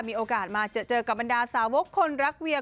มีโอกาสมาเจอกับบรรดาสาวกคนรักเวีย